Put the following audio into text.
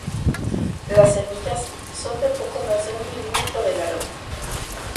Las semillas son de poco más de un milímetro de largo.